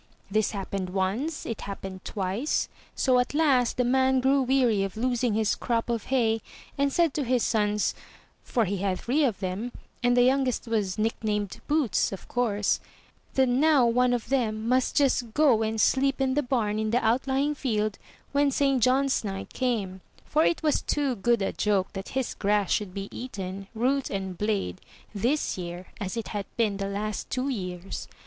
This happened once, it happened twice; so at last the man grew weary of losing his crop of hay, and said to his sons — for he had three of them, and the youngest was nicknamed Boots, of course — that now one of them must just go and sleep in the bam in the outlying field when St. John's night came, for it was too good a joke that his grass should be eaten, root and blade, this year, as it had been the last two years.